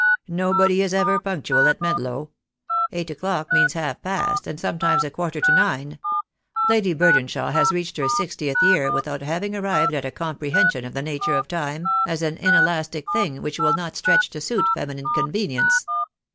Nobody is ever punctual at Medlow. Eight o'clock means half past, and sometimes a quarter to nine. Lady Burdenshaw has reached her sixtieth year without having arrived at a comprehension of the nature of time, as an inelastic thing which will not stretch to suit feminine convenience.